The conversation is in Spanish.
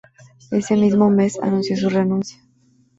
Ese mismo mes anunció su renuncia.